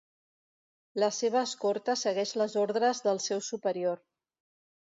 La seva escorta segueix les ordres del seu superior.